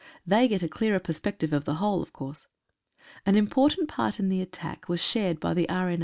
They get a clearer perspective of the whole, of course. An important part in the attack was shared by the R.N.